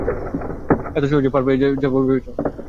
এত সহজে পার পেয়ে যাবে ভেবেছ?